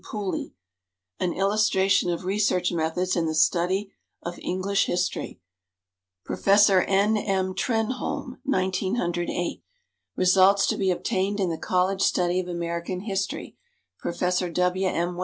Pooley; "An Illustration of Research Methods in the Study of English History," Prof. N. M. Trenholme; 1908, "Results to be Obtained in the College Study of American History," Prof. W. M.